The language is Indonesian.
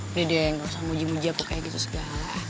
udah dia yang gak usah muji muji apa kayak gitu segala